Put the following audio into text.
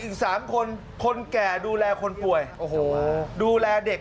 อีก๓คนคนแก่ดูแลคนป่วยดูแลเด็ก